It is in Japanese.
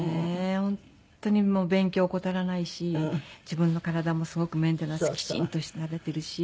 本当に勉強を怠らないし自分の体もすごくメンテナンスきちんとされてるし。